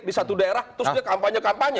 di satu daerah terus dia kampanye kampanye